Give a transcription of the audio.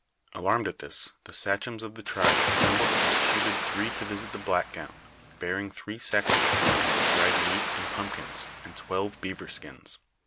"• Alarmed at this, the sachems of the tribe assembled and deputed three to visit the blankgown, bearing three sacks of corn, dried meat and piunpkiiis, and twelve beaver skins